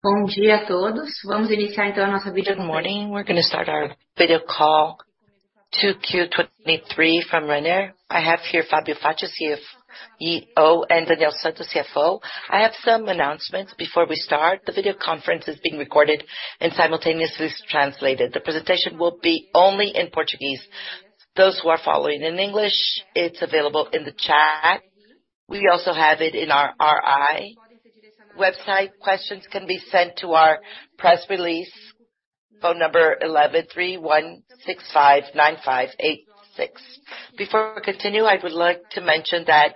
Good day, all. Good morning, we're gonna start our video call, 2Q23 from Renner. I have here Fabio Faccio, CEO, and Daniel Santos, CFO. I have some announcements before we start. The video conference is being recorded and simultaneously translated. The presentation will be only in Portuguese. Those who are following in English, it's available in the chat. We also have it in our RI website. Questions can be sent to our press release, phone number 11-3165-9586. Before we continue, I would like to mention that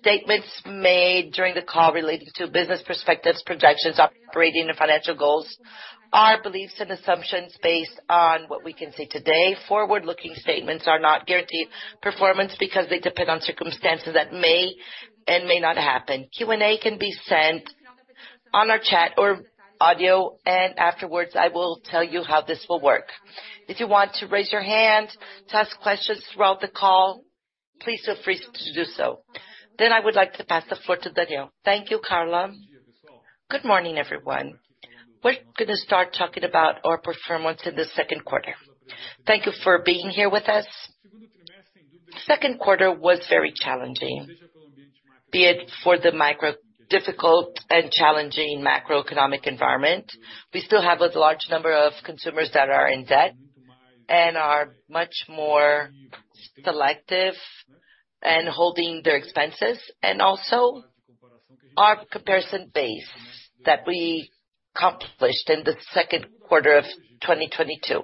statements made during the call related to business perspectives, projections, operating and financial goals, are beliefs and assumptions based on what we can say today. Forward-looking statements are not guaranteed performance because they depend on circumstances that may and may not happen. Q&A can be sent on our chat or audio. Afterwards, I will tell you how this will work. If you want to raise your hand to ask questions throughout the call, please feel free to do so. I would like to pass the floor to Daniel. Thank you, Carla. Good morning, everyone. We're going to start talking about our performance in the second quarter. Thank you for being here with us. Second quarter was very challenging, be it for the difficult and challenging macroeconomic environment. We still have a large number of consumers that are in debt and are much more selective in holding their expenses, and also our comparison base that we accomplished in the second quarter of 2022.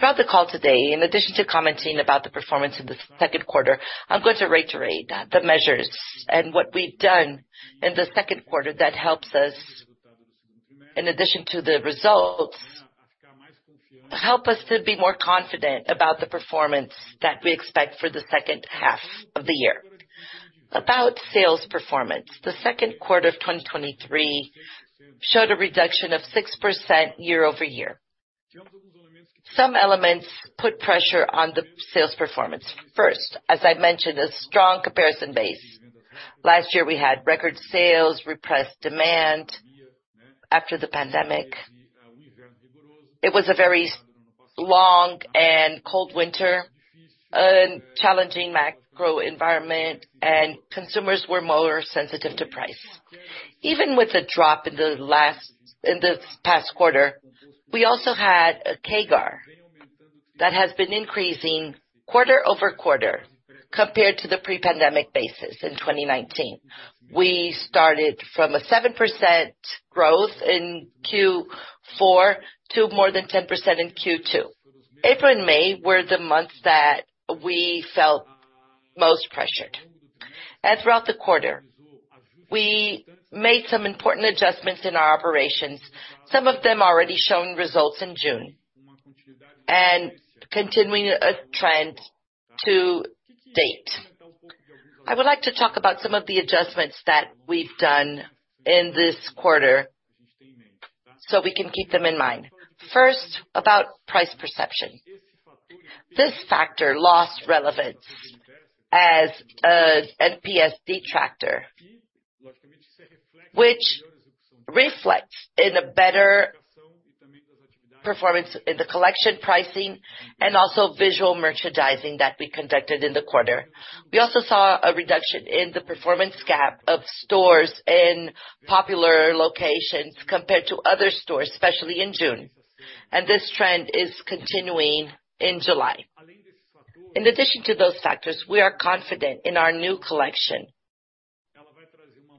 Throughout the call today, in addition to commenting about the performance in the second quarter, I'm going to reiterate the measures and what we've done in the second quarter that helps us, in addition to the results, help us to be more confident about the performance that we expect for the second half of the year. About sales performance. The second quarter of 2023 showed a reduction of 6% year-over-year. Some elements put pressure on the sales performance. First, as I mentioned, a strong comparison base. Last year, we had record sales, repressed demand after the pandemic. It was a very long and cold winter, a challenging macro environment, and consumers were more sensitive to price. Even with a drop in the past quarter, we also had a CAGR that has been increasing quarter-over-quarter compared to the pre-pandemic basis in 2019. We started from a 7% growth in Q4 to more than 10% in Q2. April and May were the months that we felt most pressured. Throughout the quarter, we made some important adjustments in our operations, some of them already shown results in June, and continuing a trend to date. I would like to talk about some of the adjustments that we've done in this quarter so we can keep them in mind. First, about price perception. This factor lost relevance as a NPS detractor, which reflects in a better performance in the collection pricing and also visual merchandising that we conducted in the quarter. We also saw a reduction in the performance gap of stores in popular locations compared to other stores, especially in June, and this trend is continuing in July. In addition to those factors, we are confident in our new collection,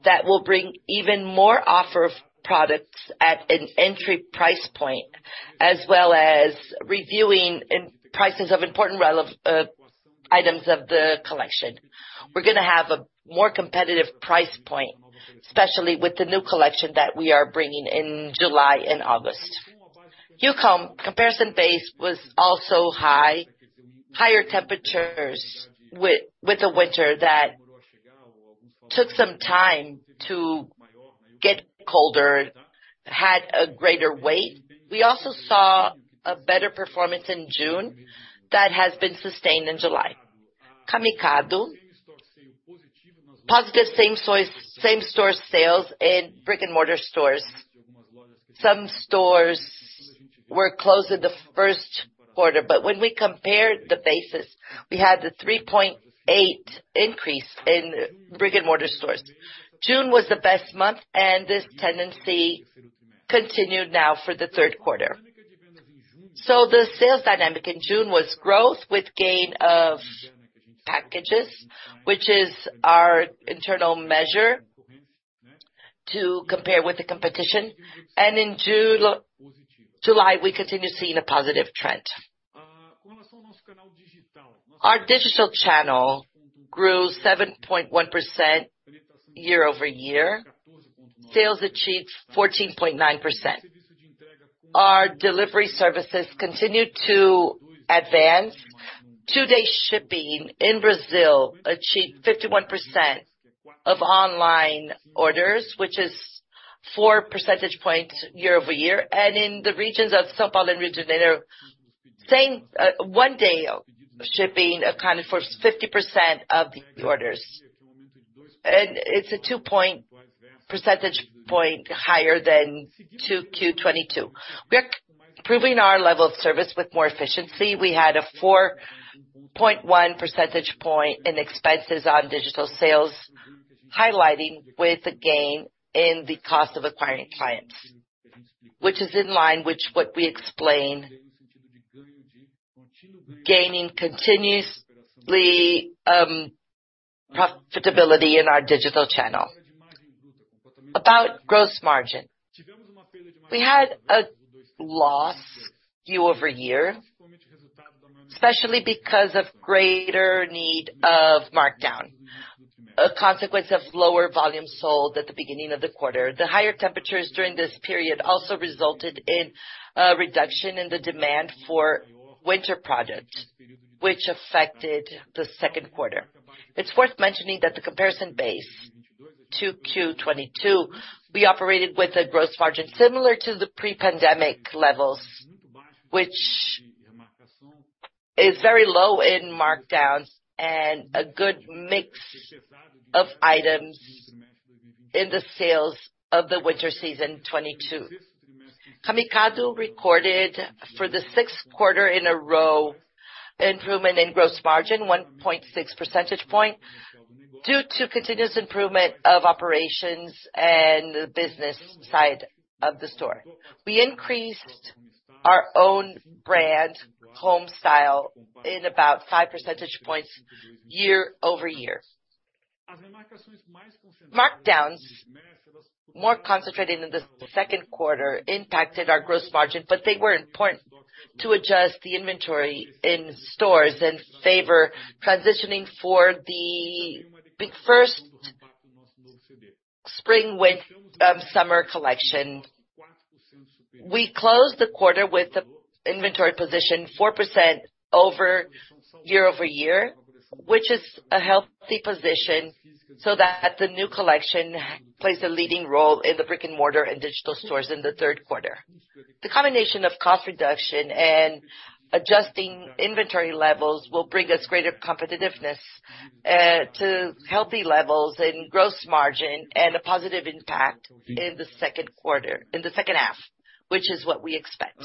that will bring even more offer of products at an entry price point, as well as reviewing prices of important items of the collection. We're gonna have a more competitive price point, especially with the new collection that we are bringing in July and August. Youcom, comparison base was also high. Higher temperatures with the winter that took some time to get colder, had a greater weight. We also saw a better performance in June that has been sustained in July. Camicado, positive same store sales in brick-and-mortar stores. Some stores were closed in the first quarter, but when we compared the bases, we had the 3.8 increase in brick-and-mortar stores. June was the best month, and this tendency continued now for the third quarter. The sales dynamic in June was growth with gain of packages, which is our internal measure to compare with the competition. In July, we continue seeing a positive trend. Our digital channel grew 7.1% year-over-year. Sales achieved 14.9%. Our delivery services continued to advance. Two-day shipping in Brazil achieved 51% of online orders, which is four percentage points year-over-year. In the regions of São Paulo and Rio de Janeiro, same, one-day shipping accounted for 50% of the orders. It's a two percentage point higher than Q22. We are improving our level of service with more efficiency. We had a 4.1 percentage point in expenses on digital sales, highlighting with a gain in the cost of acquiring clients, which is in line with what we explained, gaining continuously profitability in our digital channel. About gross margin, we had a loss year-over-year, especially because of greater need of markdown, a consequence of lower volume sold at the beginning of the quarter. The higher temperatures during this period also resulted in reduction in the demand for winter products, which affected the second quarter. It's worth mentioning that the comparison base to Q22, we operated with a gross margin similar to the pre-pandemic levels, which is very low in markdowns and a good mix of items in the sales of the winter season 22. Camicado recorded for the sixth quarter in a row, improvement in gross margin, 1.6 percentage point, due to continuous improvement of operations and the business side of the store. We increased our own brand Home Style in about five percentage points year-over-year. Markdowns, more concentrated in the second quarter, impacted our gross margin, but they were important to adjust the inventory in stores and favor transitioning for the big first spring with summer collection. We closed the quarter with the inventory position 4% year-over-year, which is a healthy position, so that the new collection plays a leading role in the brick-and-mortar and digital stores in the third quarter. The combination of cost reduction and adjusting inventory levels will bring us greater competitiveness, to healthy levels and gross margin, and a positive impact in the second quarter-- in the second half, which is what we expect.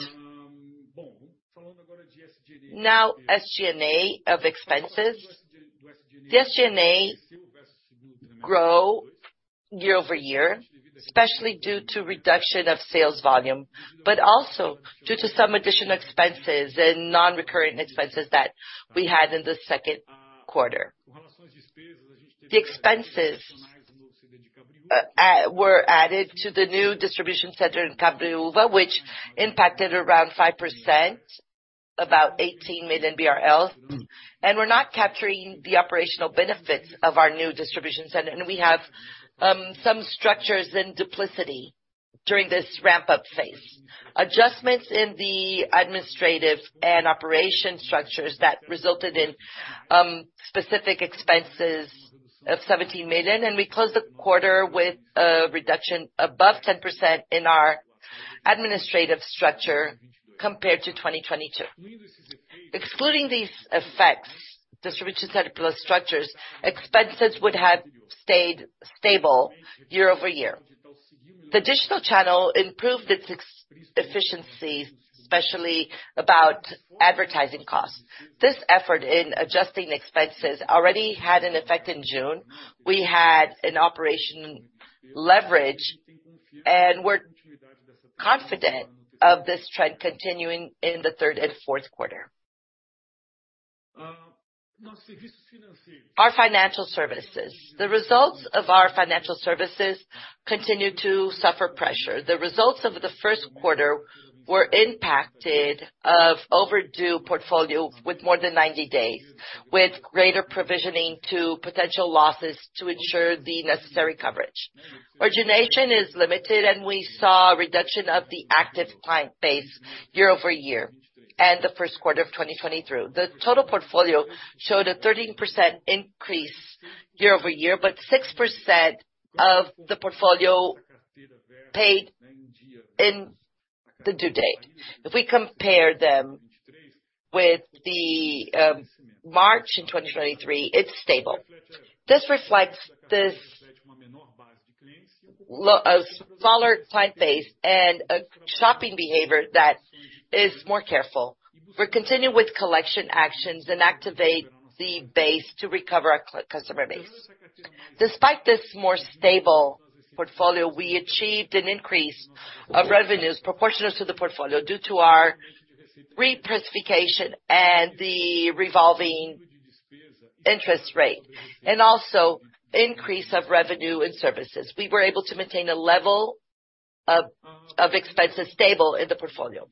Now, SG&A of expenses. The SG&A grow year-over-year, especially due to reduction of sales volume, but also due to some additional expenses and non-recurring expenses that we had in the second quarter. The expenses were added to the new distribution center in Cabreúva, which impacted around 5%, about 18 million BRL. We're not capturing the operational benefits of our new distribution center, and we have some structures and duplicity during this ramp-up phase. Adjustments in the administrative and operation structures that resulted in specific expenses of 17 million. We closed the quarter with a reduction above 10% in our administrative structure compared to 2022. Excluding these effects, distribution center plus structures, expenses would have stayed stable year-over-year. The digital channel improved its efficiency, especially about advertising costs. This effort in adjusting expenses already had an effect in June. We had an operation leverage. We're confident of this trend continuing in the third and fourth quarter. Our financial services. The results of our financial services continue to suffer pressure. The results of the first quarter were impacted of overdue portfolio with more than 90 days, with greater provisioning to potential losses to ensure the necessary coverage. Origination is limited, and we saw a reduction of the active client base year-over-year in the first quarter of 2022. The total portfolio showed a 13% increase year-over-year, but 6% of the portfolio paid in the due date. If we compare them with the March in 2023, it's stable. This reflects a smaller client base and a shopping behavior that is more careful. We're continuing with collection actions and activate the base to recover our customer base. Despite this more stable portfolio, we achieved an increase of revenues proportionate to the portfolio due to our re-pricification and the revolving interest rate, and also increase of revenue and services. We were able to maintain a level of expenses stable in the portfolio.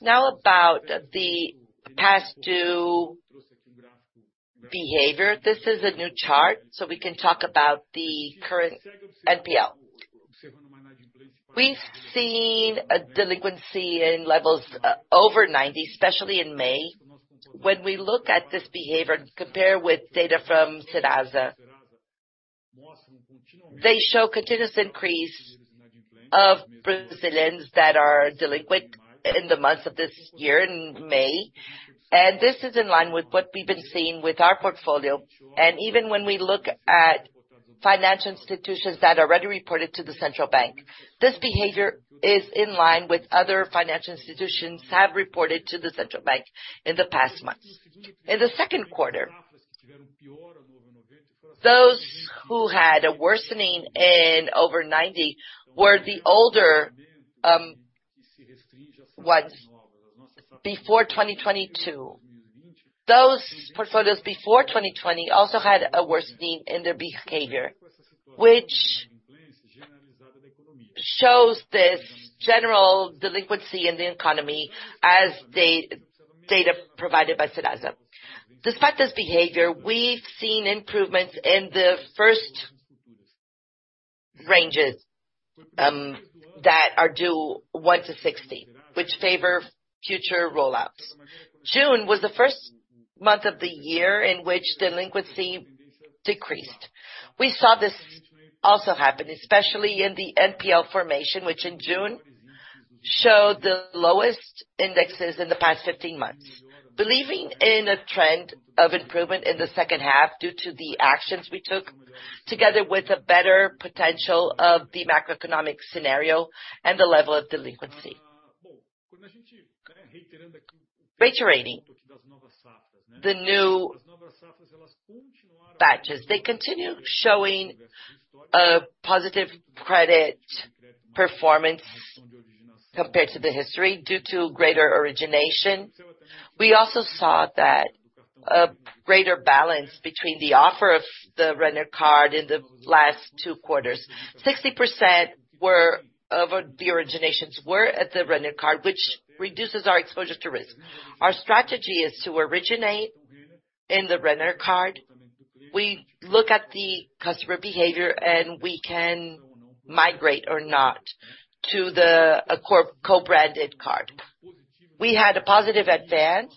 Now, about the past due behavior. This is a new chart, we can talk about the current NPL. We've seen a delinquency in levels over 90, especially in May. When we look at this behavior and compare with data from Serasa, they show continuous increase of Brazilians that are delinquent in the months of this year, in May, this is in line with what we've been seeing with our portfolio. Even when we look at financial institutions that already reported to the central bank, this behavior is in line with other financial institutions have reported to the central bank in the past months. In the second quarter, those who had a worsening in over 90, were the older, what? Before 2022. Those portfolios before 2020, also had a worsening in their behavior, which shows this general delinquency in the economy as data provided by Serasa. Despite this behavior, we've seen improvements in the first ranges that are due one to 60, which favor future rollouts. June was the first month of the year in which delinquency decreased. We saw this also happen, especially in the NPL formation, which in June showed the lowest indexes in the past 15 months. Believing in a trend of improvement in the second half, due to the actions we took, together with a better potential of the macroeconomic scenario and the level of delinquency. Reiterating, the new batches, they continue showing a positive credit performance compared to the history, due to greater origination. We also saw that a greater balance between the offer of the Renner card in the last two quarters. 60% were of the originations, were at the Renner card, which reduces our exposure to risk. Our strategy is to originate in the Renner card. We look at the customer behavior, we can migrate or not to the co-branded card. We had a positive advance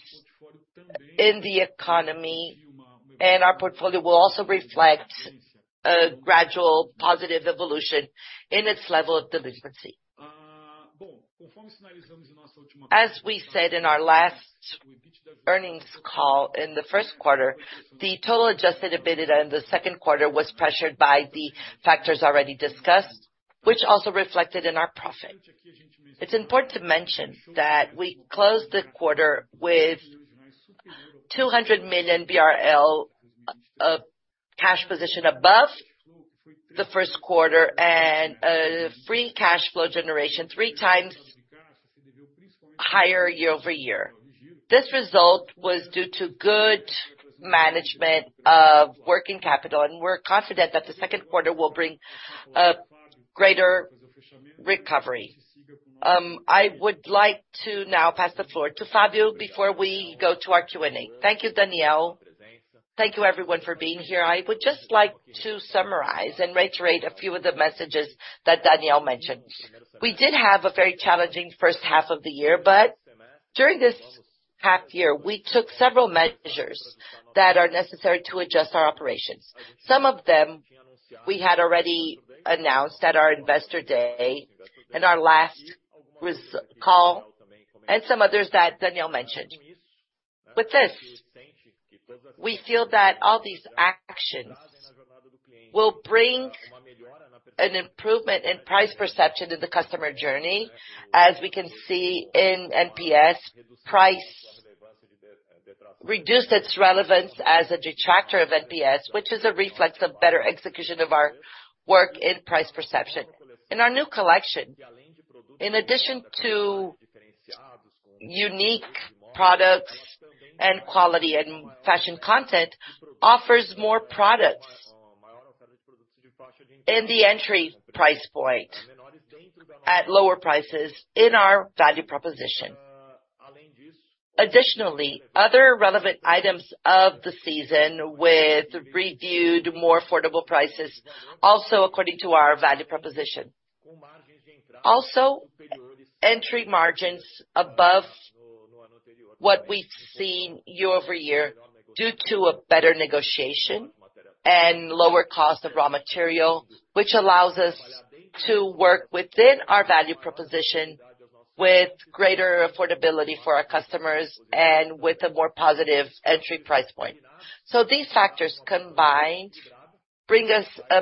in the economy, our portfolio will also reflect a gradual positive evolution in its level of delinquency. As we said in our last earnings call, in the first quarter, the total adjusted EBITDA in the second quarter was pressured by the factors already discussed, which also reflected in our profit. It's important to mention that we closed the quarter with 200 million BRL of cash position above the first quarter, free cash flow generation, three times higher year-over-year. This result was due to good management of working capital, we're confident that the second quarter will bring a greater recovery. I would like to now pass the floor to Fabio before we go to our Q&A. Thank you, Daniel. Thank you, everyone, for being here. I would just like to summarize and reiterate a few of the messages that Daniel mentioned. We did have a very challenging first half of the year. During this half year, we took several measures that are necessary to adjust our operations. Some of them, we had already announced at our Investor Day and our last res- call, and some others that Daniel mentioned. With this, we feel that all these actions will bring an improvement in price perception in the customer journey. As we can see in NPS, price reduced its relevance as a detractor of NPS, which is a reflex of better execution of our work in price perception. In our new collection, in addition to unique products and quality and fashion content, offers more products in the entry price point, at lower prices in our value proposition. Additionally, other relevant items of the season with reviewed, more affordable prices, also according to our value proposition. Entry margins above what we've seen year-over-year, due to a better negotiation and lower cost of raw material, which allows us to work within our value proposition with greater affordability for our customers and with a more positive entry price point. These factors combined, bring us a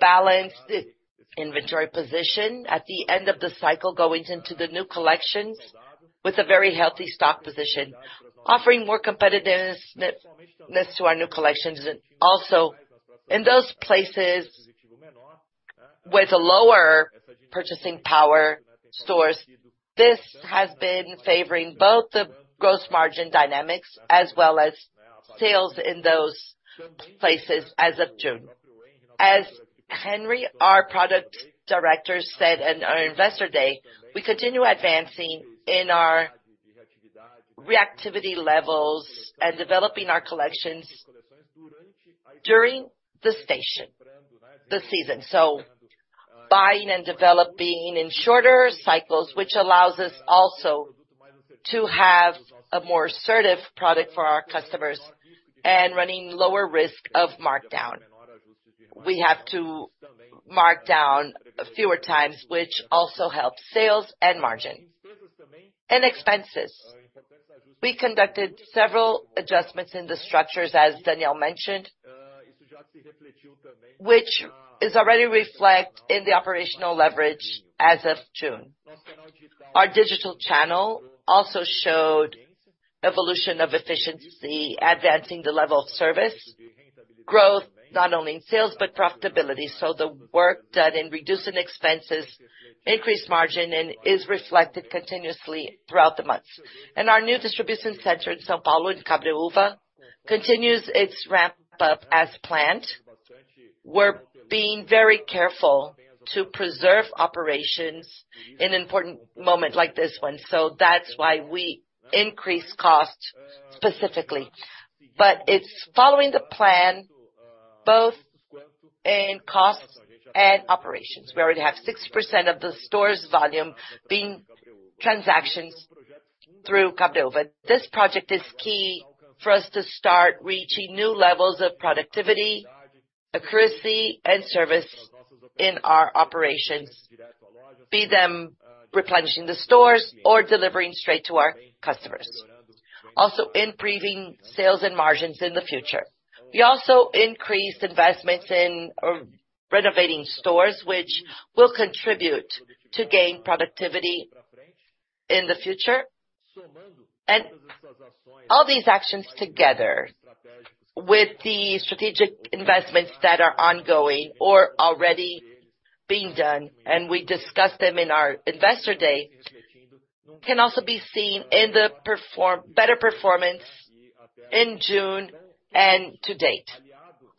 balanced inventory position at the end of the cycle, going into the new collections with a very healthy stock position, offering more competitiveness to our new collections, and also in those places with a lower purchasing power stores. This has been favoring both the gross margin dynamics as well as sales in those places as of June. As Henry, our product director, said in our Investor Day, we continue advancing in our reactivity levels and developing our collections during the season. Buying and developing in shorter cycles, which allows us also to have a more assertive product for our customers and running lower risk of markdown. We have to mark down fewer times, which also helps sales and margin. Expenses, we conducted several adjustments in the structures, as Daniel mentioned, which is already reflect in the operational leverage as of June. Our digital channel also showed evolution of efficiency, advancing the level of service, growth not only in sales, but profitability. The work done in reducing expenses, increased margin, and is reflected continuously throughout the months. Our new distribution center in São Paulo, in Cabreúva, continues its ramp up as planned. We're being very careful to preserve operations in important moment like this one, so that's why we increase costs specifically. It's following the plan, both in costs and operations. We already have 6% of the store's volume being transactions through Cabreúva. This project is key for us to start reaching new levels of productivity, accuracy, and service in our operations, be them replenishing the stores or delivering straight to our customers. Improving sales and margins in the future. All these actions together with the strategic investments that are ongoing or already being done, and we discussed them in our Investor Day, can also be seen in the better performance in June and to date.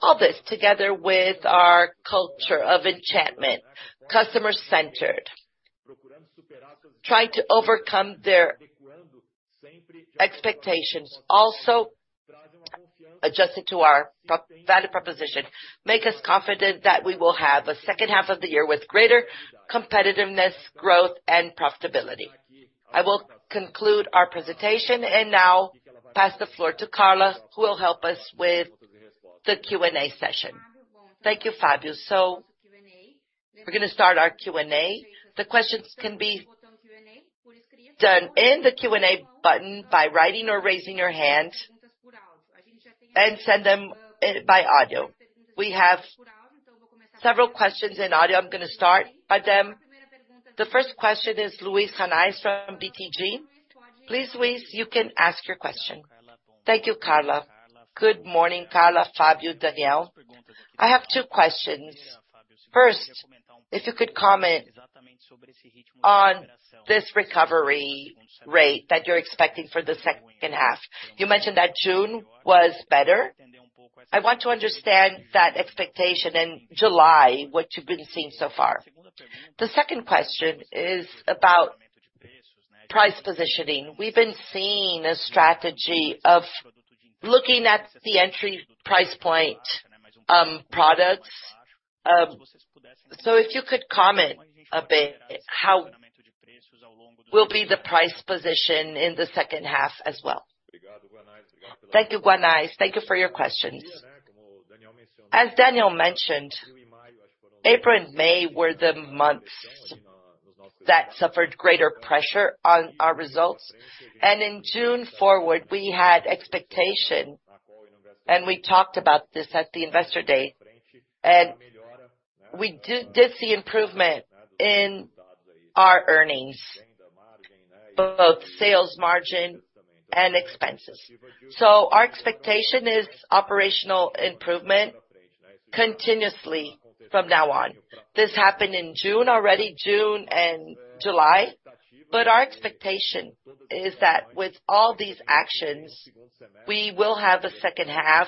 All this together with our culture of enchantment, customer-centered, trying to overcome their expectations, also adjusted to our pro- value proposition, make us confident that we will have a second half of the year with greater competitiveness, growth, and profitability. I will conclude our presentation. Now pass the floor to Carla, who will help us with the Q&A session. Thank you, Fabio. We're gonna start our Q&A. The questions can be done in the Q&A button by writing or raising your hand and send them by audio. We have several questions in audio. I'm gonna start at them. The first question is Luiz Guanais from BTG. Please, Luiz, you can ask your question. Thank you, Carla. Good morning, Carla, Fabio, Daniel. I have two questions. First, if you could comment on this recovery rate that you're expecting for the second half. You mentioned that June was better. I want to understand that expectation in July, what you've been seeing so far. The second question is about price positioning. We've been seeing a strategy of looking at the entry price point, products, so if you could comment a bit, how will be the price position in the second half as well? Thank you, Guanais. Thank you for your questions. As Daniel mentioned, April and May were the months that suffered greater pressure on our results. In June forward, we had expectation, and we talked about this at the Investor Day, and we did see improvement in our earnings, both sales margin and expenses. Our expectation is operational improvement continuously from now on. This happened in June, already June and July. Our expectation is that with all these actions, we will have a second half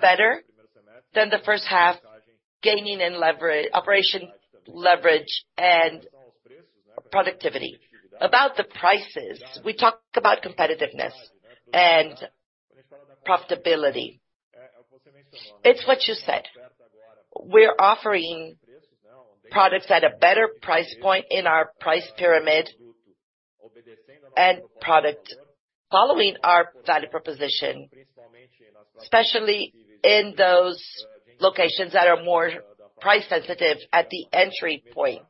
better than the first half, gaining in operation leverage and productivity. About the prices, we talked about competitiveness and profitability. It's what you said, we're offering products at a better price point in our price pyramid and product following our value proposition, especially in those locations that are more price sensitive at the entry point,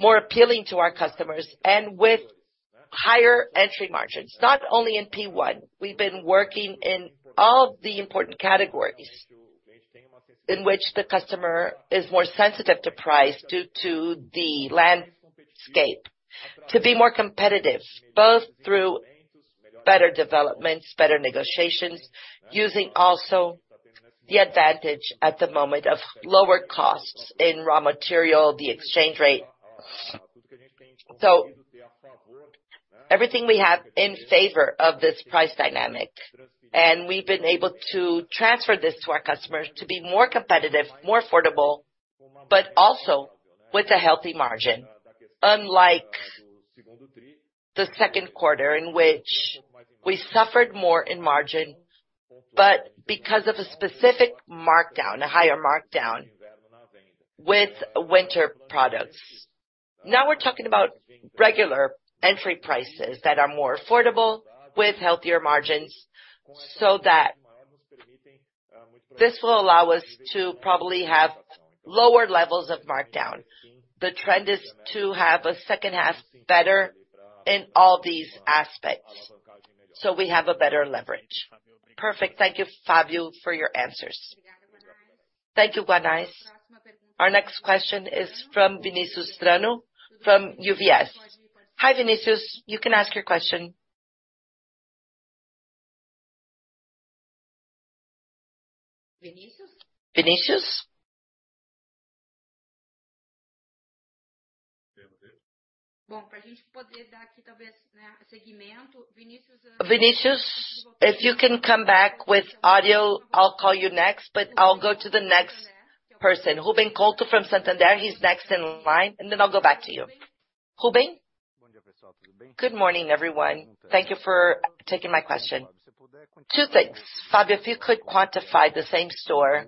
more appealing to our customers and with higher entry margins. Not only in P1, we've been working in all the important categories, in which the customer is more sensitive to price due to the landscape. To be more competitive, both through better developments, better negotiations, using also the advantage at the moment of lower costs in raw material, the exchange rate. Everything we have in favor of this price dynamic, and we've been able to transfer this to our customers to be more competitive, more affordable, but also with a healthy margin. Unlike the second quarter, in which we suffered more in margin, but because of a specific markdown, a higher markdown-... with winter products. Now we're talking about regular entry prices that are more affordable, with healthier margins, so that this will allow us to probably have lower levels of markdown. The trend is to have a second half better in all these aspects, so we have a better leverage. Perfect. Thank you, Fabio, for your answers. Thank you, Guanais. Our next question is from Vinicius Strano from UBS. Hi, Vinicius. You can ask your question. Vinicius? Vinicius, if you can come back with audio, I'll call you next, but I'll go to the next person. Ruben Couto from Santander, he's next in line, and then I'll go back to you. Ruben? Good morning, everyone. Thank you for taking my question. Two things: Fabio, if you could quantify the same store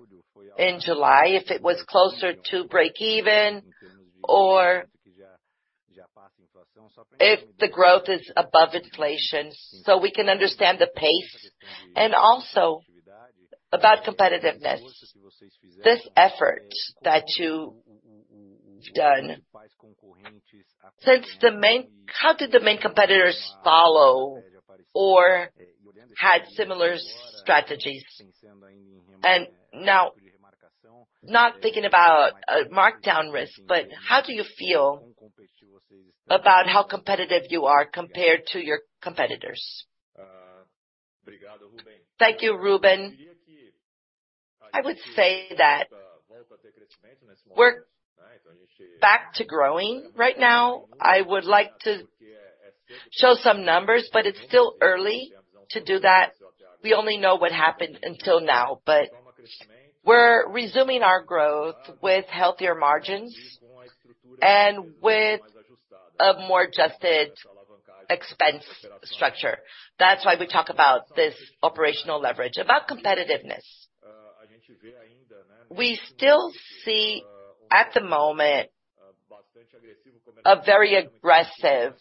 in July, if it was closer to breakeven or if the growth is above inflation, so we can understand the pace. Also about competitiveness. This effort that you've done, since the main-- how did the main competitors follow or had similar strategies? Now, not thinking about a markdown risk, but how do you feel about how competitive you are compared to your competitors? Thank you, Ruben. I would say that we're back to growing right now. I would like to show some numbers, but it's still early to do that. We only know what happened until now, but we're resuming our growth with healthier margins and with a more adjusted expense structure. That's why we talk about this operational leverage. About competitiveness, we still see, at the moment, a very aggressive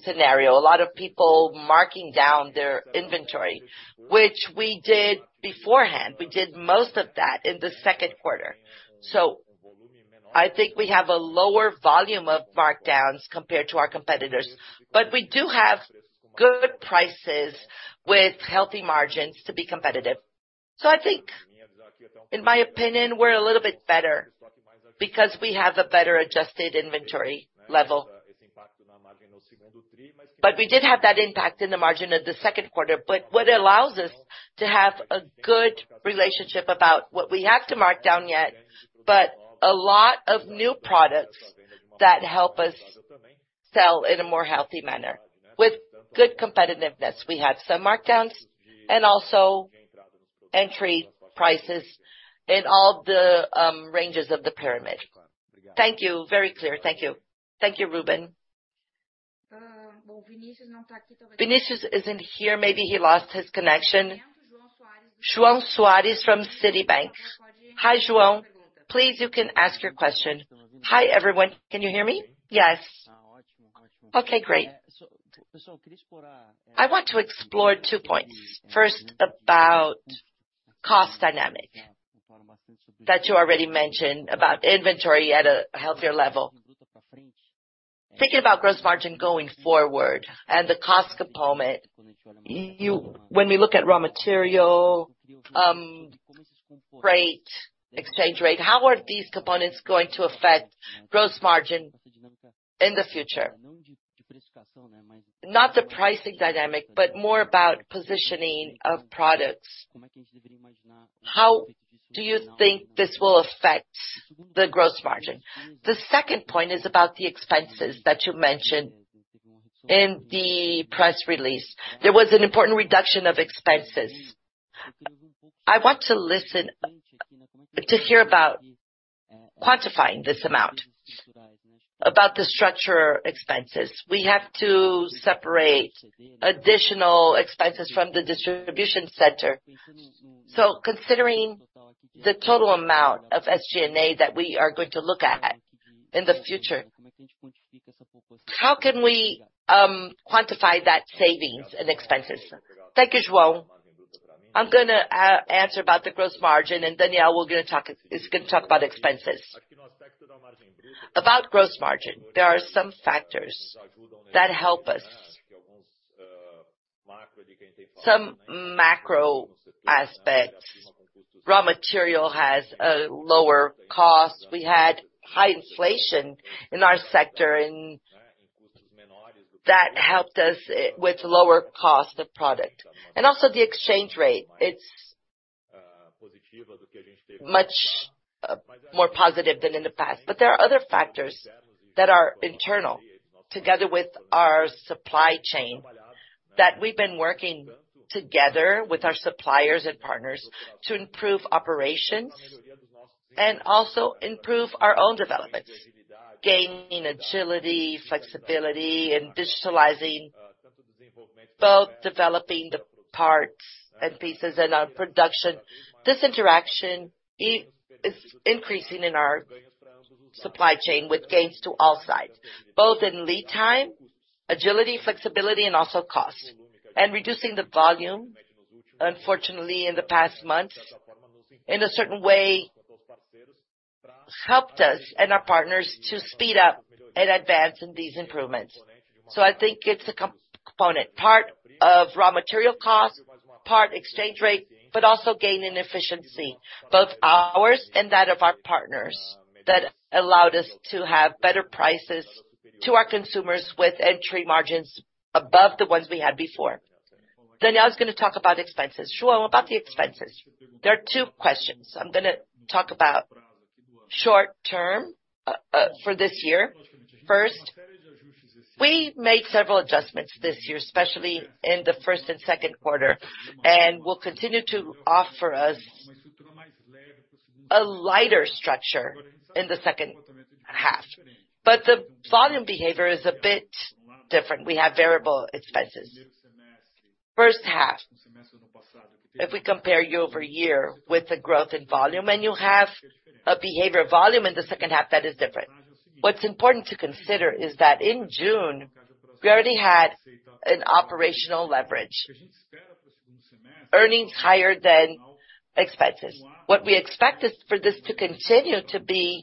scenario. A lot of people marking down their inventory, which we did beforehand. We did most of that in the second quarter. I think we have a lower volume of markdowns compared to our competitors, but we do have good prices with healthy margins to be competitive. I think in my opinion, we're a little bit better because we have a better adjusted inventory level. We did have that impact in the margin of the second quarter. What allows us to have a good relationship about what we have to mark down yet, but a lot of new products that help us sell in a more healthy manner with good competitiveness. We had some markdowns and also entry prices in all the ranges of the pyramid. Thank you. Very clear. Thank you. Thank you, Ruben. Vinicius isn't here. Maybe he lost his connection. João Soares from Citibank. Hi, João. Please, you can ask your question. Hi, everyone. Can you hear me? Yes. Okay, great. I want to explore two points. First, about cost dynamic, that you already mentioned about inventory at a healthier level. Thinking about gross margin going forward and the cost component, you-- when we look at raw material, freight, exchange rate, how are these components going to affect gross margin in the future? Not the pricing dynamic, but more about positioning of products. How do you think this will affect the gross margin? The second point is about the expenses that you mentioned in the press release. There was an important reduction of expenses. I want to listen to hear about quantifying this amount, about the structure expenses. We have to separate additional expenses from the distribution center. Considering the total amount of SG&A that we are going to look at in the future, how can we quantify that savings and expenses? Thank you, João. I'm gonna answer about the gross margin, and Daniel is gonna talk about expenses. About gross margin, there are some factors that help us. Some macro aspects. Raw material has a lower cost. We had high inflation in our sector, and that helped us with lower cost of product, and also the exchange rate. It's much more positive than in the past. There are other factors that are internal, together with our supply chain, that we've been working together with our suppliers and partners to improve operations and also improve our own developments, gaining agility, flexibility, and digitalizing-... both developing the parts and pieces in our production. This interaction is increasing in our supply chain, with gains to all sides, both in lead time, agility, flexibility, and also cost. Reducing the volume, unfortunately, in the past month, in a certain way, helped us and our partners to speed up and advance in these improvements. I think it's a component, part of raw material cost, part exchange rate, but also gain in efficiency, both ours and that of our partners, that allowed us to have better prices to our consumers with entry margins above the ones we had before. Now I was gonna talk about expenses. João, about the expenses, there are two questions. I'm gonna talk about short term for this year. First, we made several adjustments this year, especially in the first and second quarter, and will continue to offer us a lighter structure in the second half. The volume behavior is a bit different. We have variable expenses. First half, if we compare year-over-year with the growth in volume, you have a behavior volume in the second half, that is different. What's important to consider is that in June, we already had an operational leverage, earnings higher than expenses. What we expect is for this to continue to be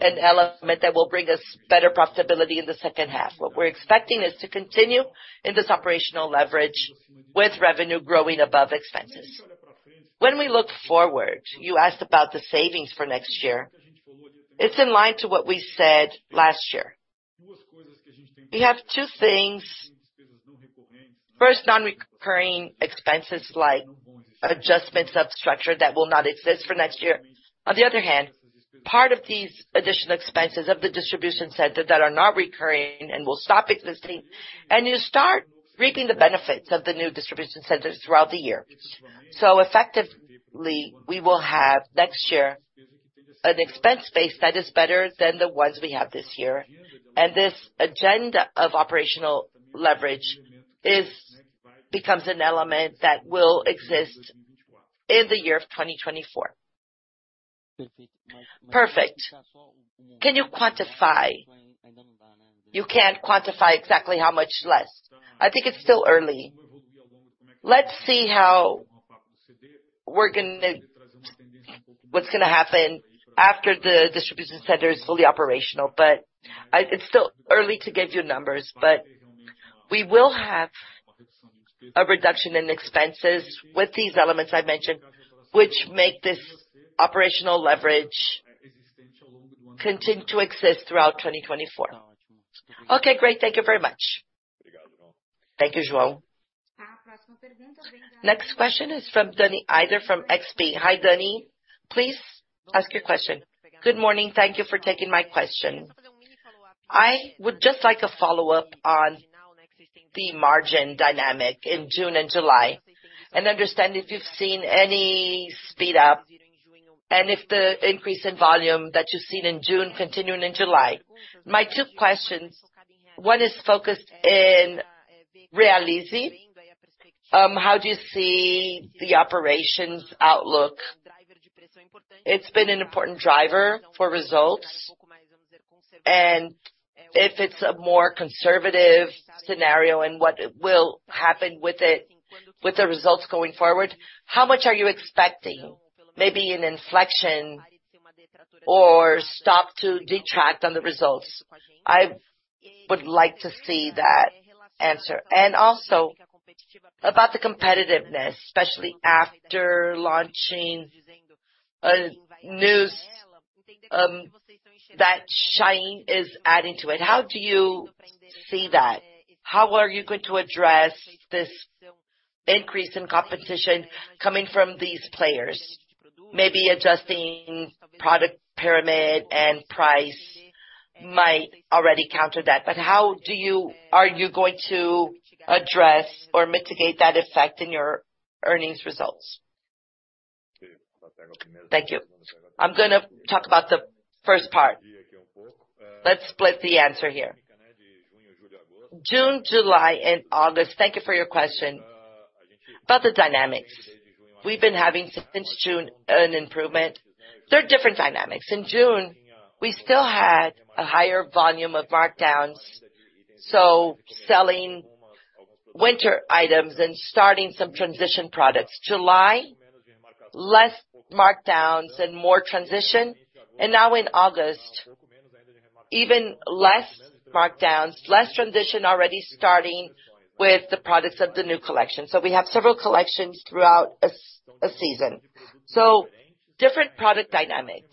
an element that will bring us better profitability in the second half. What we're expecting is to continue in this operational leverage, with revenue growing above expenses. When we look forward, you asked about the savings for next year. It's in line to what we said last year. We have two things. First, non-recurring expenses like adjustments of structure that will not exist for next year. Part of these additional expenses of the distribution center that are not recurring and will stop existing, and you start reaping the benefits of the new distribution centers throughout the year. Effectively, we will have, next year, an expense base that is better than the ones we have this year, and this agenda of operational leverage becomes an element that will exist in the year of 2024. Perfect. Can you quantify? You can't quantify exactly how much less. I think it's still early. Let's see how we're gonna what's gonna happen after the distribution center is fully operational, but it's still early to give you numbers, but we will have a reduction in expenses with these elements I mentioned, which make this operational leverage continue to exist throughout 2024. Okay, great. Thank you very much. Thank you, João. Next question is from Dani Eiger, from XP. Hi, Dani, please ask your question. Good morning. Thank you for taking my question. I would just like a follow-up on the margin dynamic in June and July, and understand if you've seen any speed up, and if the increase in volume that you've seen in June continuing in July. My two questions: What is focused in Realize, how do you see the operations outlook? It's been an important driver for results, and if it's a more conservative scenario and what will happen with the results going forward, how much are you expecting? Maybe an inflection or stop to detract on the results. I would like to see that answer. Also, about the competitiveness, especially after launching news that Shein is adding to it, how do you see that? How are you going to address this increase in competition coming from these players? Maybe adjusting product pyramid and price might already counter that, how are you going to address or mitigate that effect in your earnings results? Thank you. I'm gonna talk about the first part. Let's split the answer here. June, July, and August, thank you for your question. About the dynamics, we've been having since June, an improvement. There are different dynamics. In June, we still had a higher volume of markdowns, selling winter items and starting some transition products. July, less markdowns and more transition, and now in August, even less markdowns, less transition, already starting with the products of the new collection. We have several collections throughout a season. Different product dynamics,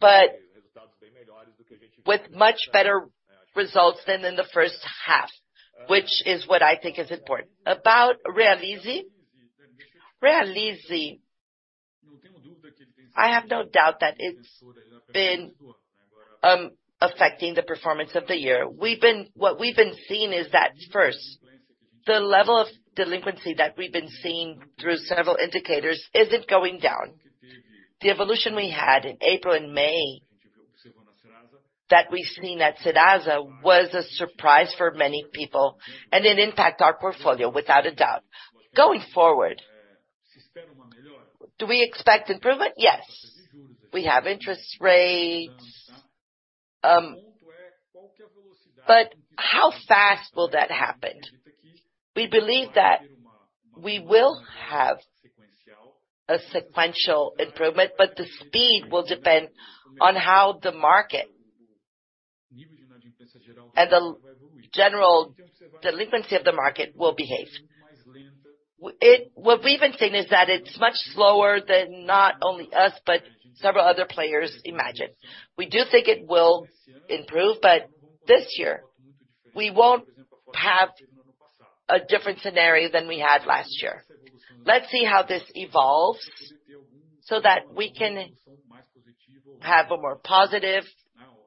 but with much better results than in the first half, which is what I think is important. About Realize? Realize, I have no doubt that it's been affecting the performance of the year. What we've been seeing is that the level of delinquency that we've been seeing through several indicators isn't going down. The evolution we had in April and May, that we've seen at Serasa, was a surprise for many people, and it impact our portfolio without a doubt. Going forward, do we expect improvement? Yes. We have interest rates, but how fast will that happen? We believe that we will have a sequential improvement, but the speed will depend on how the market and the general delinquency of the market will behave. What we've been seeing is that it's much slower than not only us, but several other players imagine. We do think it will improve, but this year, we won't have a different scenario than we had last year. Let's see how this evolves, so that we can have a more positive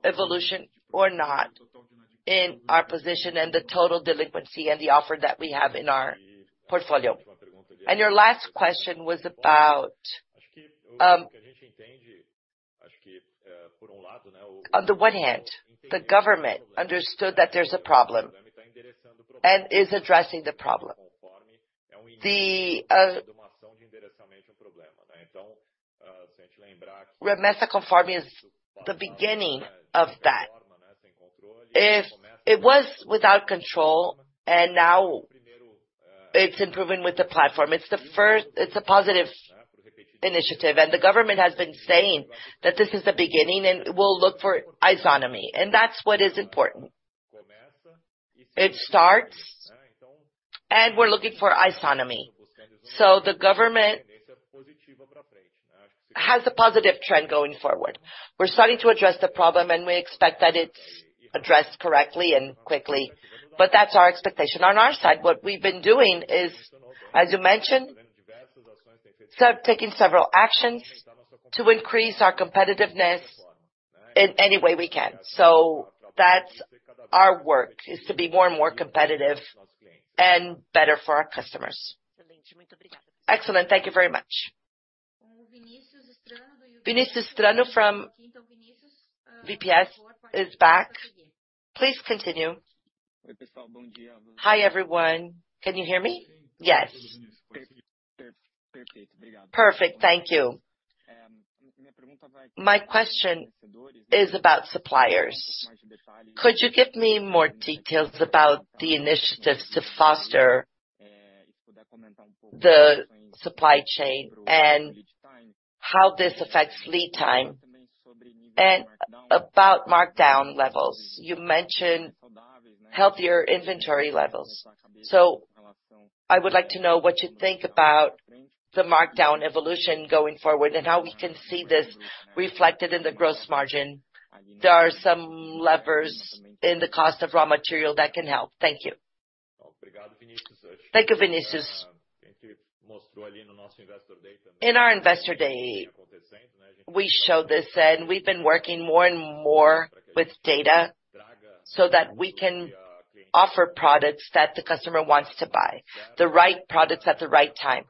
evolution or not in our position and the total delinquency and the offer that we have in our portfolio. Your last question was about, on the one hand, the government understood that there's a problem and is addressing the problem. The Remessa Conforme is the beginning of that. If it was without control, and now it's improving with the platform, it's the first-- it's a positive initiative. The government has been saying that this is the beginning, and we'll look for isonomy, and that's what is important. It starts, we're looking for isonomy. The government has a positive trend going forward. We're starting to address the problem, and we expect that it's addressed correctly and quickly, but that's our expectation. On our side, what we've been doing is, as you mentioned, start taking several actions to increase our competitiveness in any way we can. That's our work, is to be more and more competitive and better for our customers. Excellent. Thank you very much. Vinicius Strano from UBS is back. Please continue. Hi, everyone. Can you hear me? Yes. Perfect. Thank you. My question is about suppliers. Could you give me more details about the initiatives to foster the supply chain and how this affects lead time? And about markdown levels, you mentioned healthier inventory levels. I would like to know what you think about the markdown evolution going forward, and how we can see this reflected in the gross margin. There are some levers in the cost of raw material that can help. Thank you. Thank you, Vinicius. In our Investor Day, we showed this, and we've been working more and more with data so that we can offer products that the customer wants to buy, the right products at the right time.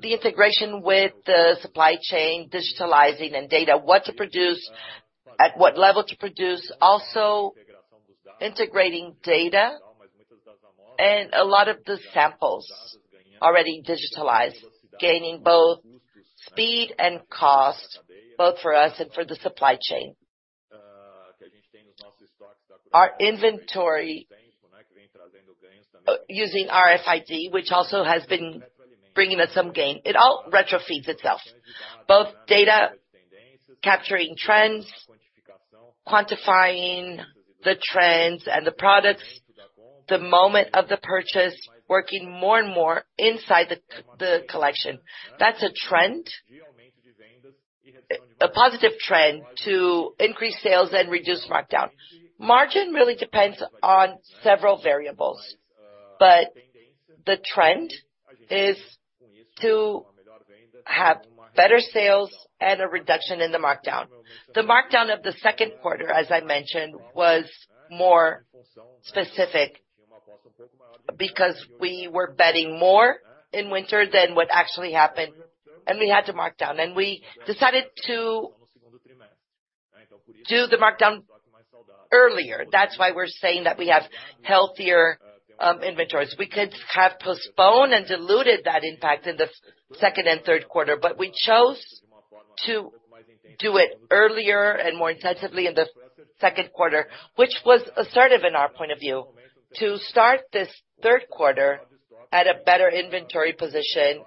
The integration with the supply chain, digitalizing and data, what to produce, at what level to produce, also integrating data and a lot of the samples already digitalized, gaining both speed and cost, both for us and for the supply chain. Our inventory using RFID, which also has been bringing us some gain. It all retrofeeds itself. Both data, capturing trends, quantifying the trends and the products, the moment of the purchase, working more and more inside the collection. That's a trend, a positive trend to increase sales and reduce markdown. Margin really depends on several variables, but the trend is to have better sales and a reduction in the markdown. The markdown of the second quarter, as I mentioned, was more specific because we were betting more in winter than what actually happened, and we had to mark down. We decided to do the markdown earlier. That's why we're saying that we have healthier inventories. We could have postponed and diluted that impact in the 2nd and 3rd quarter, but we chose to do it earlier and more intensively in the 2nd quarter, which was assertive in our point of view, to start this 3rd quarter at a better inventory position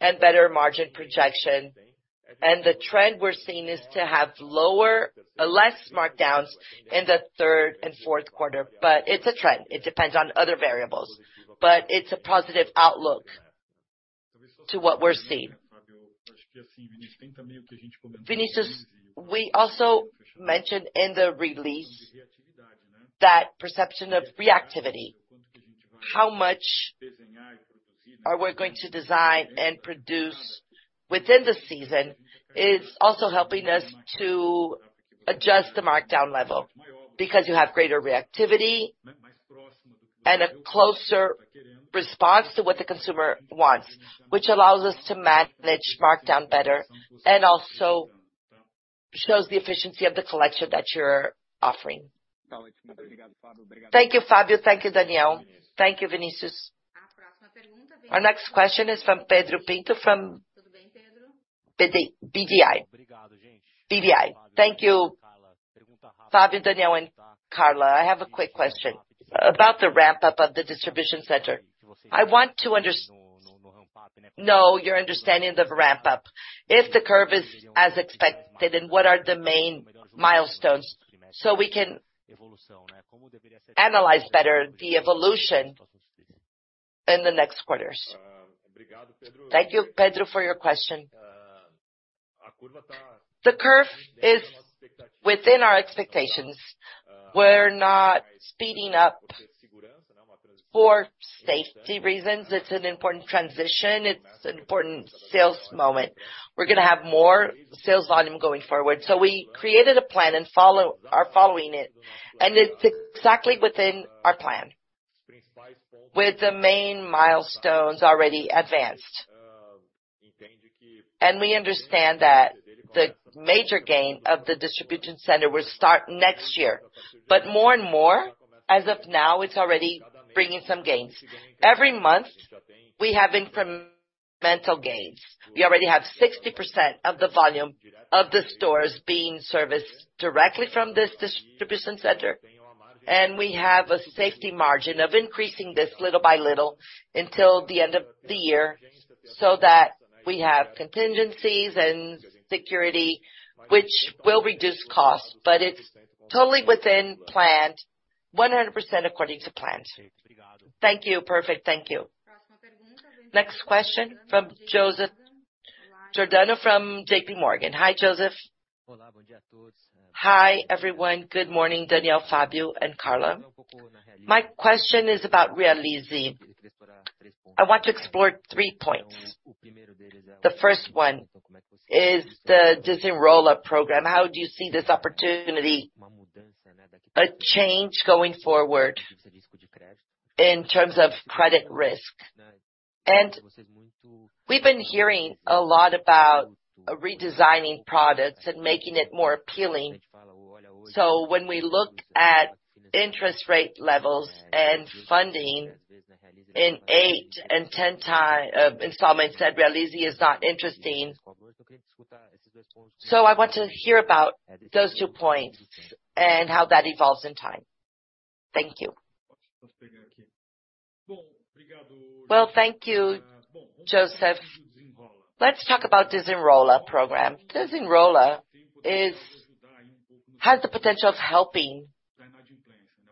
and better margin projection. The trend we're seeing is to have lower, less markdowns in the 3rd and 4th quarter, but it's a trend. It depends on other variables, but it's a positive outlook to what we're seeing. Vinicius, we also mentioned in the release that perception of reactivity, how much are we going to design and produce within the season, is also helping us to adjust the markdown level, because you have greater reactivity and a closer response to what the consumer wants, which allows us to manage markdown better, and also shows the efficiency of the collection that you're offering. Thank you, Fabio. Thank you, Daniel. Thank you, Vinicius. Our next question is from Pedro Pinto, from BBI, BBI. Thank you, Fabio, Daniel, and Carla. I have a quick question about the ramp-up of the distribution center. I want to know your understanding of the ramp-up, if the curve is as expected, and what are the main milestones, so we can analyze better the evolution in the next quarters? Thank you, Pedro, for your question. The curve is within our expectations. We're not speeding up for safety reasons. It's an important transition. It's an important sales moment. We're gonna have more sales volume going forward. We created a plan and are following it, and it's exactly within our plan, with the main milestones already advanced. We understand that the major gain of the distribution center will start next year. More and more, as of now, it's already bringing some gains. Every month, we have incremental gains. We already have 60% of the volume of the stores being serviced directly from this distribution center, and we have a safety margin of increasing this little by little until the end of the year, so that we have contingencies and security, which will reduce costs. It's totally within plan, 100% according to plan. Thank you. Perfect. Thank you. Next question from Joseph Giordano from JP Morgan. Hi, Joseph. Hi, everyone. Good morning, Daniel, Fabio, and Carla. My question is about Realize. I want to explore three points. The first one is the Desenrola program. How do you see this opportunity, a change going forward in terms of credit risk? We've been hearing a lot about redesigning products and making it more appealing. When we look at interest rate levels and funding in eight and 10-time installments, that Realize is not interesting. I want to hear about those two points and how that evolves in time. Thank you. Well, thank you, Joseph. Let's talk about Desenrola Program. Desenrola has the potential of helping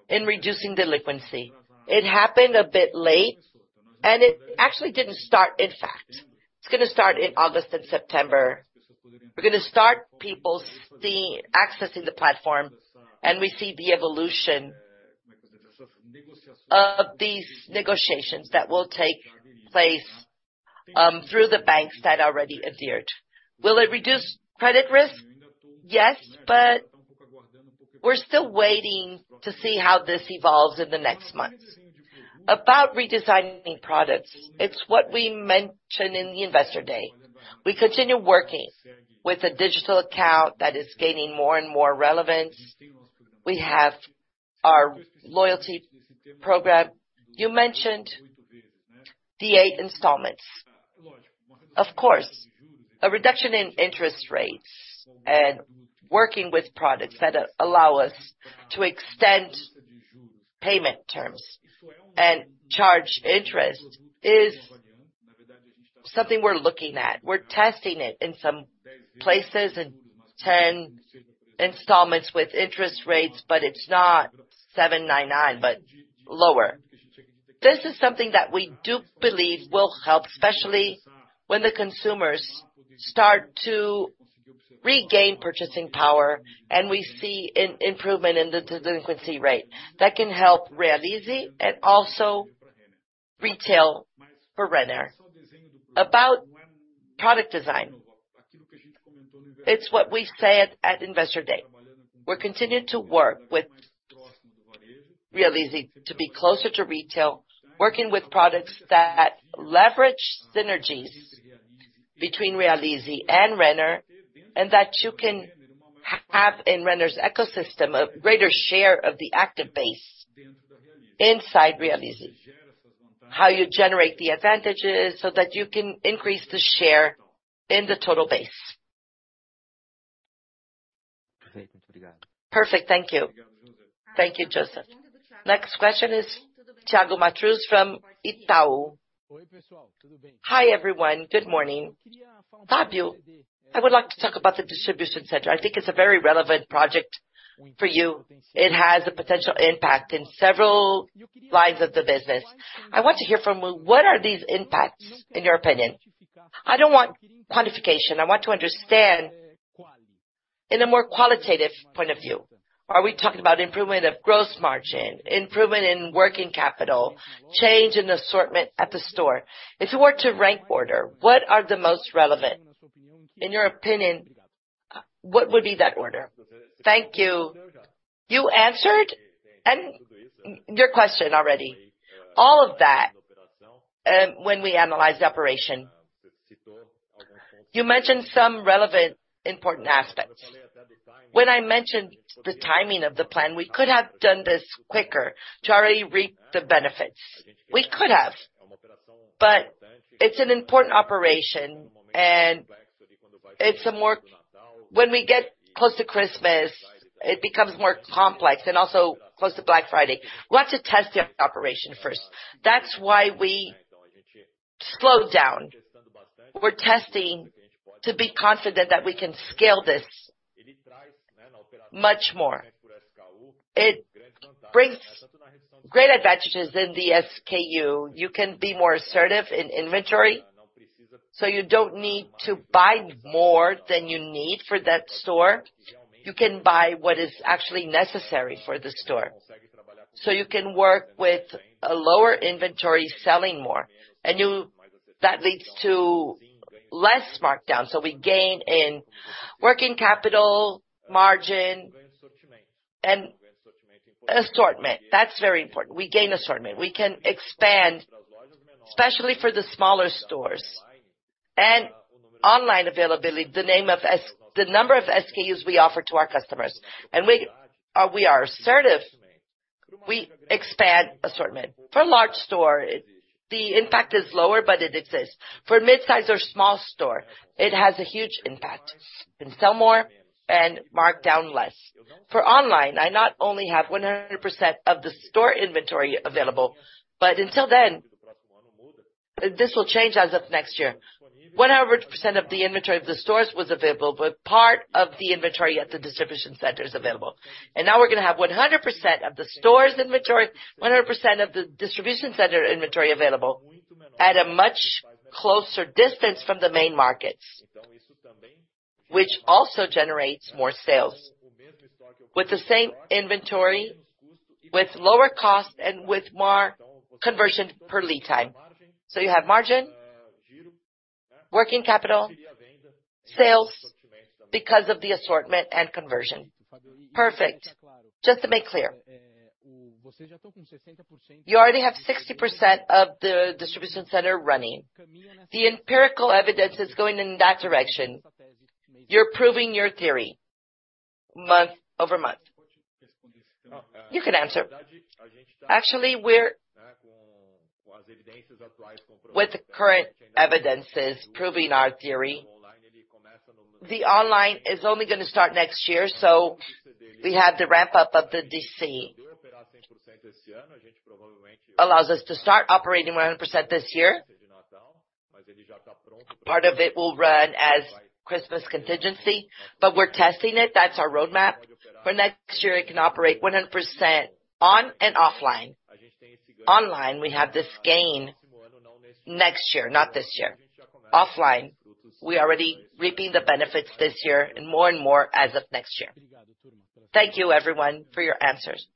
in reducing delinquency. It happened a bit late, and it actually didn't start, in fact. It's going to start in August and September. We're going to start people accessing the platform, and we see the evolution of these negotiations that will take place through the banks that already adhered. Will it reduce credit risk? Yes, but we're still waiting to see how this evolves in the next month. About redesigning products, it's what we mentioned in the Investor Day. We continue working with a digital account that is gaining more and more relevance. We have our loyalty program. You mentioned the eight installments. Of course, a reduction in interest rates and working with products that allow us to extend payment terms and charge interest is something we're looking at. We're testing it in some places, in 10 installments with interest rates, but it's not 7.99%, but lower. This is something that we do believe will help, especially when the consumers start to regain purchasing power, and we see improvement in the delinquency rate. That can help Realize and also retail for Renner. About product design, it's what we said at Investor Day. We're continuing to work with Realize to be closer to retail, working with products that leverage synergies between Realize and Renner, and that you can have in Renner's ecosystem, a greater share of the active base inside Realize. How you generate the advantages so that you can increase the share in the total base. Perfect. Thank you. Thank you, Joseph. Next question is Thiago Macruz from Itaú. Hi, everyone. Good morning. Fabio, I would like to talk about the distribution center. I think it's a very relevant project for you. It has a potential impact in several lines of the business. I want to hear from you, what are these impacts, in your opinion? I don't want quantification. I want to understand in a more qualitative point of view? Are we talking about improvement of gross margin, improvement in working capital, change in assortment at the store? If you were to rank order, what are the most relevant? In your opinion, what would be that order? Thank you. You answered your question already. All of that, when we analyze the operation, you mentioned some relevant important aspects. When I mentioned the timing of the plan, we could have done this quicker to already reap the benefits. We could have, but it's an important operation, and it's a more When we get close to Christmas, it becomes more complex and also close to Black Friday. We have to test the operation first. That's why we slowed down. We're testing to be confident that we can scale this much more. It brings great advantages in the SKU. You can be more assertive in inventory, so you don't need to buy more than you need for that store. You can buy what is actually necessary for the store. So you can work with a lower inventory, selling more, and that leads to less markdown. So we gain in working capital, margin, and assortment. That's very important. We gain assortment. We can expand, especially for the smaller stores and online availability, the number of SKUs we offer to our customers, and we are assertive. We expand assortment. For large store, the impact is lower, but it exists. For mid-size or small store, it has a huge impact, and sell more and mark down less. For online, I not only have 100% of the store inventory available, but until then, this will change as of next year. 100% of the inventory of the stores was available, but part of the inventory at the distribution center is available. Now we're gonna have 100% of the store's inventory, 100% of the distribution center inventory available at a much closer distance from the main markets, which also generates more sales. With the same inventory, with lower cost and with more conversion per lead time. You have margin, working capital, sales because of the assortment and conversion. Perfect. Just to make clear, you already have 60% of the distribution center running. The empirical evidence is going in that direction. You're proving your theory month-over-month. You can answer. We're... With the current evidences proving our theory, the online is only gonna start next year, so we have the ramp-up of the DC. Allows us to start operating 100% this year. Part of it will run as Christmas contingency, but we're testing it. That's our roadmap. For next year, it can operate 100% on and offline. Online, we have this gain next year, not this year. Offline, we're already reaping the benefits this year, and more and more as of next year. Thank you, everyone, for your answers.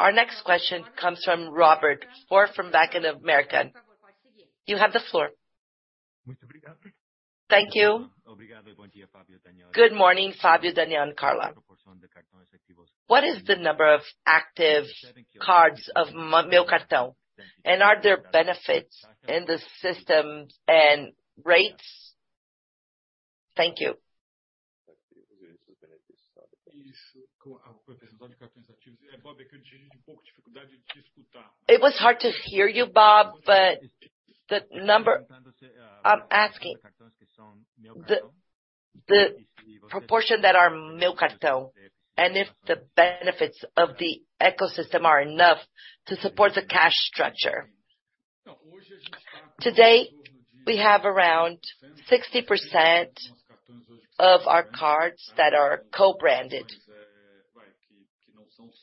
Our next question comes from Robert Roth, or from Bank of America. You have the floor. Thank you. Good morning, Fabio, Daniel, and Carla. What is the number of active cards of Meu Cartão, and are there benefits in the system and rates? Thank you. It was hard to hear you, Rob, but the number I'm asking, the, the proportion that are Meu Cartão, and if the benefits of the ecosystem are enough to support the cash structure. Today, we have around 60% of our cards that are co-branded,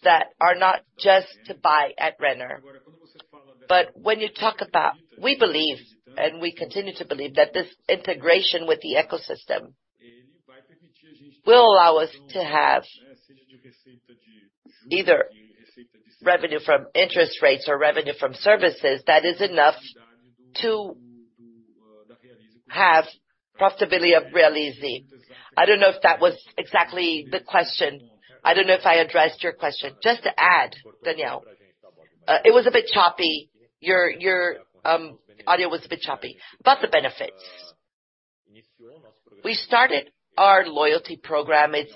that are not just to buy at Renner. When you talk about, we believe, and we continue to believe, that this integration with the ecosystem will allow us to have either revenue from interest rates or revenue from services that is enough to have profitability of Realize. I don't know if that was exactly the question. I don't know if I addressed your question. Just to add, Daniel, it was a bit choppy. Your, your, audio was a bit choppy. The benefits. We started our loyalty program. It's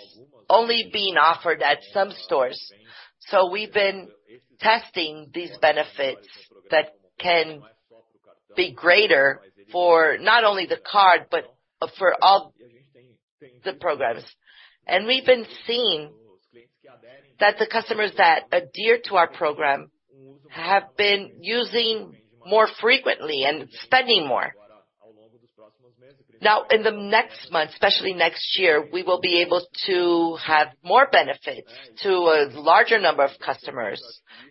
only being offered at some stores, so we've been testing these benefits that can be greater for not only the card, but for all the programs. We've been seeing that the customers that adhere to our program have been using more frequently and spending more. In the next month, especially next year, we will be able to have more benefits to a larger number of customers,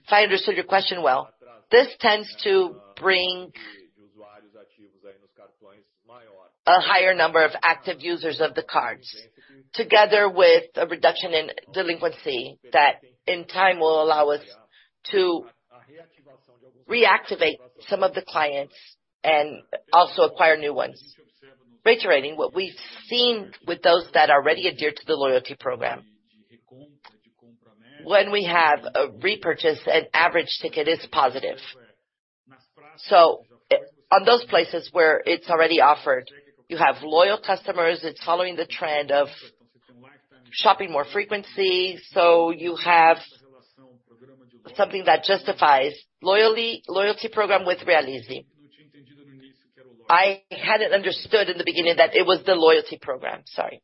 if I understood your question well. This tends to bring a higher number of active users of the cards, together with a reduction in delinquency, that in time will allow us to reactivate some of the clients and also acquire new ones. Reiterating what we've seen with those that already adhered to the loyalty program. When we have a repurchase, an average ticket is positive. On those places where it's already offered, you have loyal customers, it's following the trend of shopping more frequency, so you have something that justifies loyalty program with Realize. I hadn't understood in the beginning that it was the loyalty program. Sorry.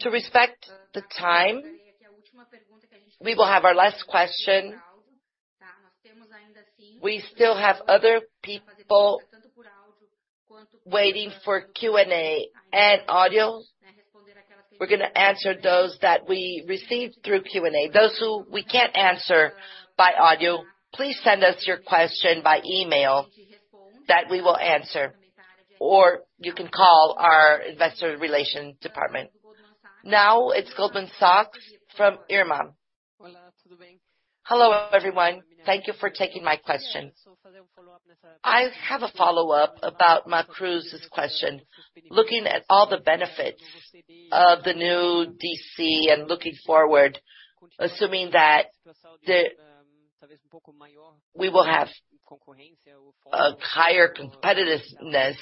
To respect the time, we will have our last question. We still have other people waiting for Q&A and audio. We're gonna answer those that we received through Q&A. Those who we can't answer by audio, please send us your question by email, that we will answer, or you can call our investor relations department. Now, it's Goldman Sachs from Irma. Hello, everyone. Thank you for taking my question. I have a follow-up about Macruz's question. Looking at all the benefits of the new DC and looking forward, assuming that we will have a higher competitiveness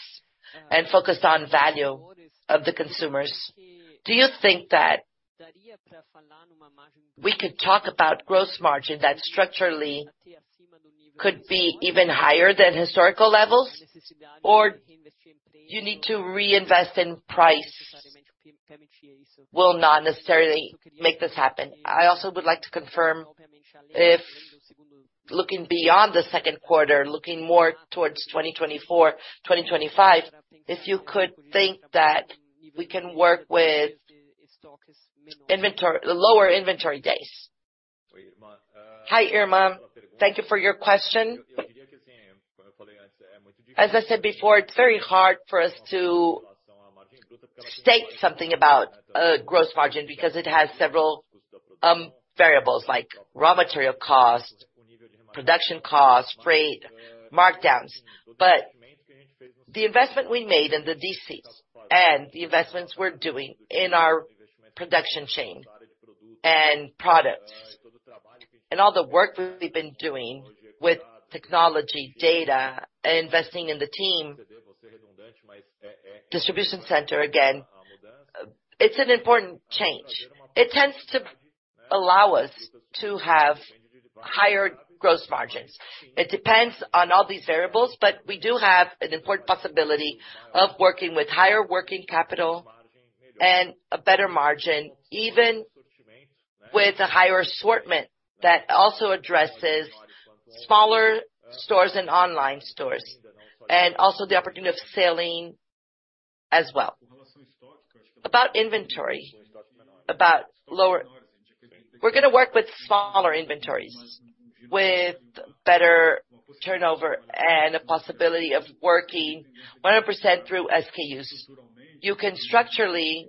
and focused on value of the consumers, do you think that we could talk about gross margin that structurally could be even higher than historical levels? You need to reinvest in price will not necessarily make this happen. I also would like to confirm if looking beyond the 2Q, looking more towards 2024, 2025, if you could think that we can work with inventory-- lower inventory days. Hi, Irma. Thank you for your question. As I said before, it's very hard for us to state something about gross margin, because it has several variables, like raw material cost, production cost, freight, markdowns. The investment we made in the DCs and the investments we're doing in our production chain and products, and all the work we've been doing with technology, data, and investing in the team, distribution center, again, it's an important change. It tends to allow us to have higher gross margins. It depends on all these variables. We do have an important possibility of working with higher working capital and a better margin, even with a higher assortment that also addresses smaller stores and online stores, and also the opportunity of selling as well. About inventory, we're gonna work with smaller inventories, with better turnover and a possibility of working 100% through SKUs. You can structurally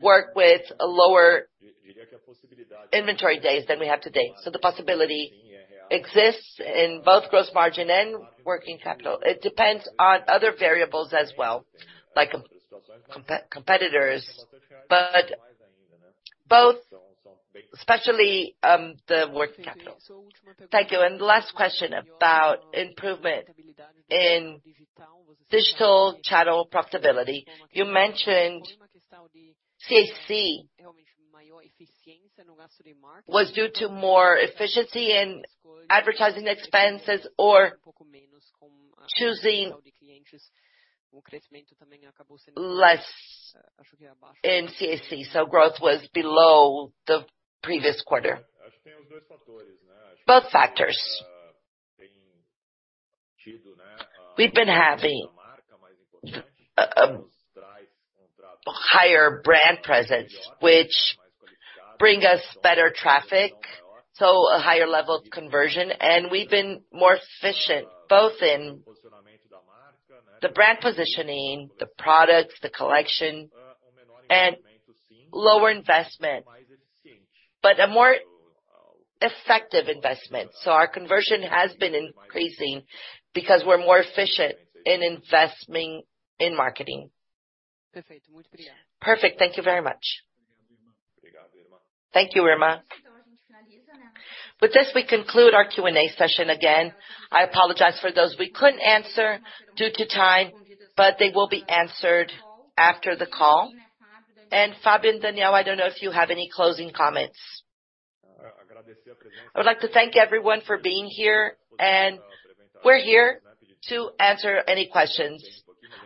work with lower inventory days than we have today. The possibility exists in both gross margin and working capital. It depends on other variables as well, like competitors, but both, especially the working capital. Thank you. Last question about improvement in digital channel profitability. You mentioned CAC was due to more efficiency in advertising expenses or choosing less in CAC, so growth was below the previous quarter. Both factors. We've been having a higher brand presence, which bring us better traffic, so a higher level of conversion, and we've been more efficient, both in the brand positioning, the products, the collection, and lower investment, but a more effective investment. Our conversion has been increasing because we're more efficient in investing in marketing. Perfect. Thank you very much. Thank you, Irma. With this, we conclude our Q&A session again. I apologize for those we couldn't answer due to time, but they will be answered after the call. Fabio and Daniel, I don't know if you have any closing comments. I would like to thank everyone for being here, and we're here to answer any questions.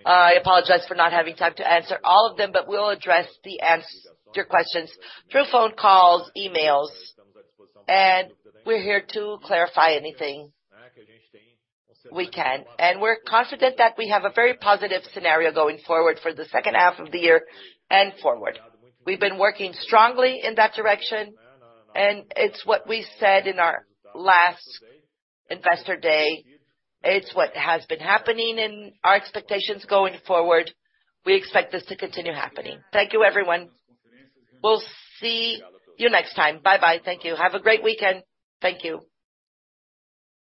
I apologize for not having time to answer all of them, but we'll address your questions through phone calls, emails, and we're here to clarify anything we can. We're confident that we have a very positive scenario going forward for the second half of the year and forward. We've been working strongly in that direction, and it's what we said in our last Investor Day. It's what has been happening and our expectations going forward, we expect this to continue happening. Thank you, everyone. We'll see you next time. Bye-bye. Thank you. Have a great weekend. Thank you.